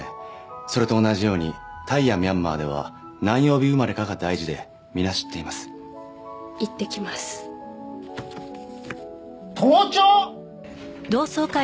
それと同じようにタイやミャンマーでは何曜日生まれかが大事で皆知っていますいってきます盗聴！？